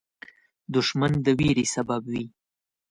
دښمن د ویرې سبب وي